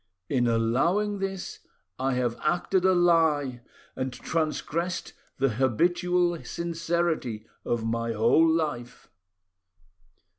In allowing this, I have acted a lie, and transgressed the habitual sincerity of my whole life."